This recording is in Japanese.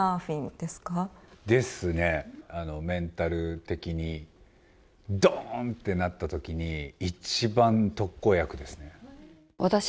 メンタル的にドーン！ってなった時に一番、特効薬ですね。